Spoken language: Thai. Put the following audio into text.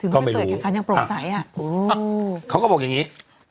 ก็ไม่รู้เขาก็บอกอย่างนี้